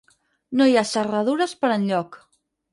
No hi ha serradures per enlloc.